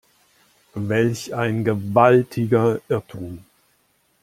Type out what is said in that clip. Welch ein gewaltiger Irrtum!